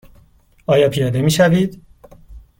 آیا پیاده می شوید؟